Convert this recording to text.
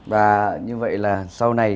và như vậy là sau này